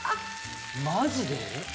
マジで？